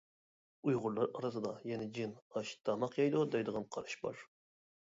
ئۇيغۇرلار ئارىسىدا يەنە جىن ئاش-تاماق يەيدۇ دەيدىغان قاراش بار.